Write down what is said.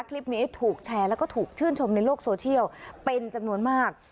คลิปนี้ถูกแชร์แล้วก็ถูกชื่นชมในโลกโซเชียลเป็นจำนวนมาก